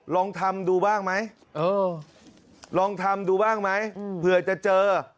ลองทำดูบ้างไหมเผื่อจะเจอ